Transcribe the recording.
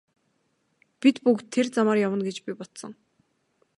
Бид бүгд тэр замаар явна гэж би бодсон.